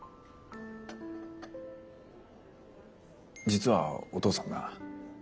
実はお父さんな。